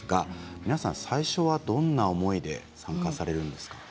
皆さん最初はどんな思いで参加されるんですか。